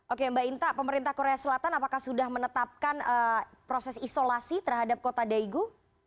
oke mbak inta pemerintah korea selatan apakah sudah menetapkan proses isolasi terhadap kota daegu